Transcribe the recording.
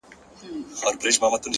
خپل ژوند د ارزښت وړ اثر وګرځوئ,